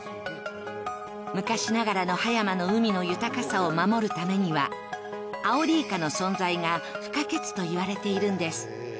昔ながらの葉山の海の豊かさを守るためにはアオリイカの存在が不可欠といわれているんです。